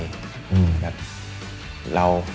อย่างเงี้ย